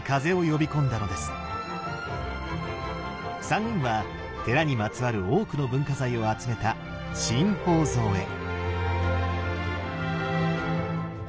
三人は寺にまつわる多くの文化財を集めた新宝蔵へ。